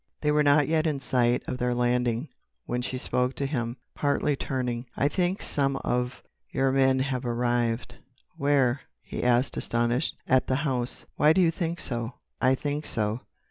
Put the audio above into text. They were not yet in sight of their landing when she spoke to him, partly turning: "I think some of your men have arrived." "Where?" he asked, astonished. "At the house." "Why do you think so?" "I think so."